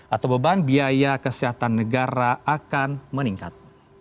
atau beban biaya kesehatan negara akan meningkat